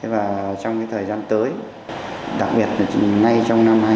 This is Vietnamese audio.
và trong cái thời gian tới đặc biệt là ngay trong năm hai nghìn hai mươi một